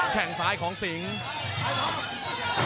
แข่งซ้ายของสิง